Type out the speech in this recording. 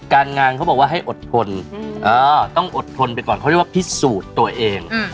การงานเขาบอกว่าให้อดทนต้องอดทนไปก่อนเขาเรียกว่าพิสูจน์ตัวเอง